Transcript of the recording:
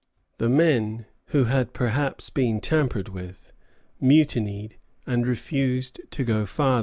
The men, who had perhaps been tampered with, mutinied, and refused to go farther.